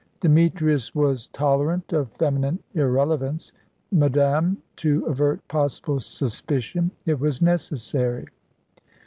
Demetrius was tolerant of feminine irrelevance. "Madame, to avert possible suspicion, it was necessary."